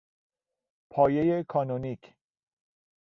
پایهی کانونیک